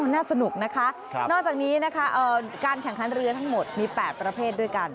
น่าสนุกนะคะนอกจากนี้นะคะการแข่งขันเรือทั้งหมดมี๘ประเภทด้วยกัน